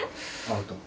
アウト？